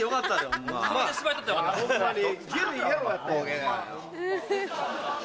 ホンマに。